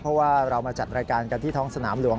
เพราะว่าเรามาจัดรายการกันที่ท้องสนามหลวง